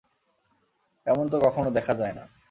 এমন তো কখনো দেখা যায় না।